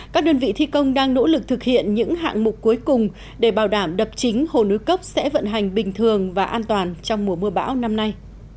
các đơn vị thi công đang nỗ lực thực hiện những hạng mục cuối cùng để bảo đảm đập chính hồ núi cốc sẽ vận hành bình thường và an toàn trong mùa mưa bão năm nay